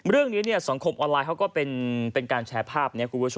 เรื่องนี้สังคมออนไลน์เขาก็เป็นการแชร์ภาพ